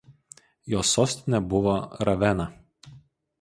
Jos sostinė buvo Ravena.